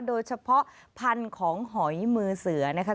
โดยเฉพาะพันธุ์ของหอยมือเสือนะคะ